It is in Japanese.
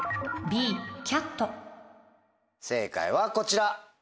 正解はこちら。